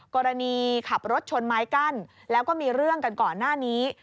กรณีขับรถชนไม้กั้นแล้วก็มีเรื่องกันก่อนหน้านี้